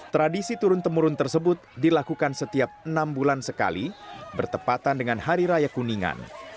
tradisi turun temurun tersebut dilakukan setiap enam bulan sekali bertepatan dengan hari raya kuningan